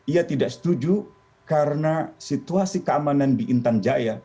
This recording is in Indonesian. ia tidak setuju karena situasi keamanan di intan jaya